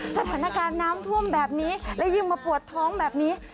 สถานการณ์น้ำท่วมแบบนี้และยิ่งมาปวดท้องแบบนี้